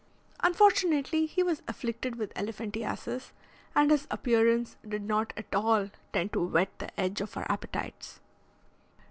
Unfortunately, he was afflicted with elephantiasis, and his appearance did not at all tend to whet the edge of our appetites.